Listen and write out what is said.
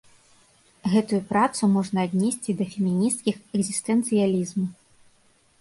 Гэтую працу можна аднесці да фемінісцкіх экзістэнцыялізму.